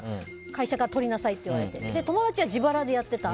会社からとりなさいって言われて友達は自腹でやってた。